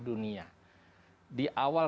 dunia di awal